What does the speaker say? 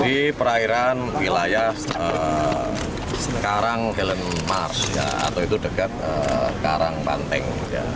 di perairan wilayah karang helen mars atau itu dekat karang banteng